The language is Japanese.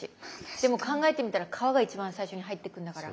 でも考えてみたら皮が一番最初に入ってくるんだから。